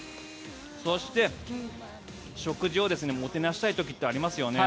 そして食事をもてなしたい時ってありますよね。